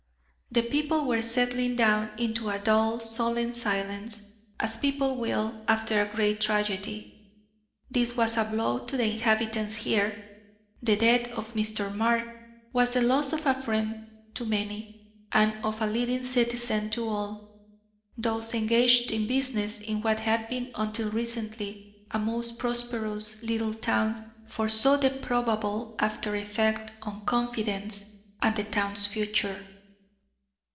The people were settling down into a dull, sullen silence, as people will, after a great tragedy. This was a blow to the inhabitants here. The death of Mr. Mark was the loss of a friend to many, and of a leading citizen to all. Those engaged in business in what had been until recently a most prosperous little town foresaw the probable after effect on confidence and the town's future.